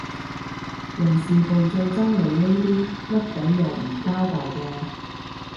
人事部最憎你呢啲甩底又唔交代嘅